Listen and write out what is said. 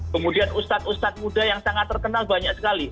kemudian ustadz ustadz muda yang sangat terkenal banyak sekali